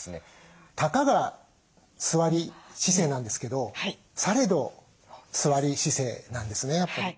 たかが座り姿勢なんですけどされど座り姿勢なんですねやっぱり。